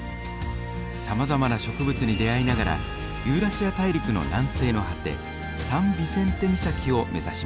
さまざまな植物に出会いながらユーラシア大陸の南西の果てサン・ビセンテ岬を目指します。